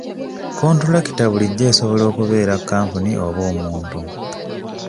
Kontulakita bulijjo esobola okubeera kampuni oba omuntu.